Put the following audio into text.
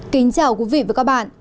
kính chào quý vị và các bạn